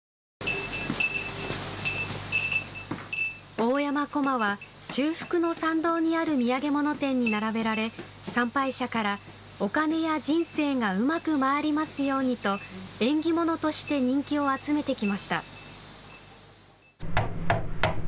大山こまは中腹の参道にある土産物店に並べられ参拝者から、お金や人生がうまく回りますようにと縁起物として人気を集めてきました。